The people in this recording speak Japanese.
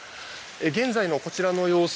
現在のこちらの様子